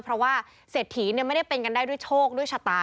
เพราะว่าเศรษฐีไม่ได้เป็นกันได้ด้วยโชคด้วยชะตา